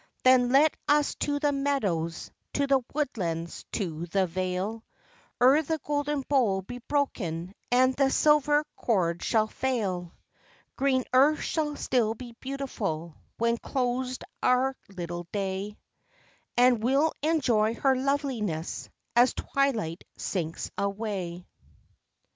Then let us to the meadows, to the woodlands, to the vale, Ere the golden bowl be broken, and the silver cord shall fail; Green earth shall still be beautiful, when closed our little day, And we 'll enjoy her loveliness, as twilight sinks away.